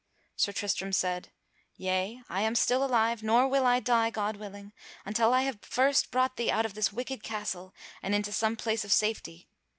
Sir Tristram said: "Yea, I am still alive nor will I die, God willing, until I have first brought thee out of this wicked castle and into some place of safety.